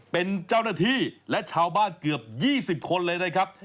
เป็นเจ้าหน้าที่และชาวบ้านเกือบ๒๐คนเลยนะครับ